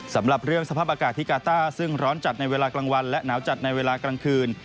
สำหรับเรื่องสภาพอากาศที่กาต้าซึ่งร้อนจัดในเวลากลางวันและหนาวจัดในเวลากลางคืน